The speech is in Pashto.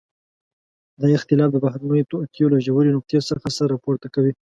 دا اختلاف د بهرنيو توطئو له ژورې نقطې څخه سر راپورته کوي.